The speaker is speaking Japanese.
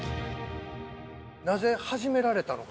なぜ始められたのかなと。